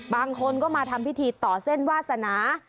บางคนก็มาทำพิธีต่อเส้นวาสนา